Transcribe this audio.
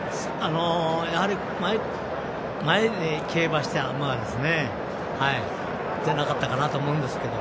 やはり前で競馬した馬じゃなかったかなと思うんですけど。